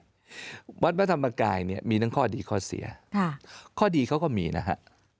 วัดพระธรรมกายเนี่ยมีทั้งข้อดีข้อเสียค่ะข้อดีเขาก็มีนะฮะ